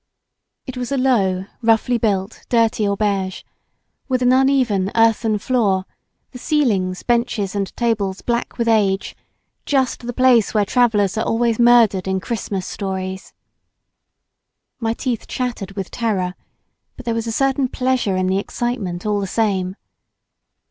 It was a low, roughly built, dirty auberge, with an uneven, earthen floor, the ceiling, benches and tables black with age, just the place where travellers are always murdered in Christmas stories. My teeth chattered with terror, but there was a certain pleasure in the excitement all the same.